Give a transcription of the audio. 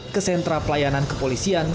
ke sentra pelayanan kepolisian